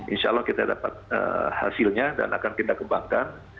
insya allah kita dapat hasilnya dan akan kita kembangkan